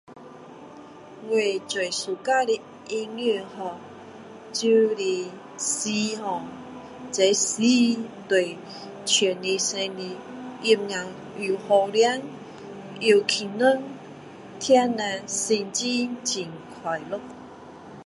我最喜欢的音乐 ho 就是诗这诗对唱的出来越 nan 又好听又轻松听了心情很快乐